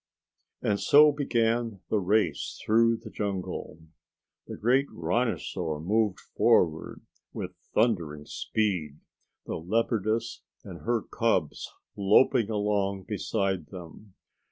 And so began the race through the jungle. The great rhinosaur moved forward with thundering speed, the leopardess and her cubs loping along beside them.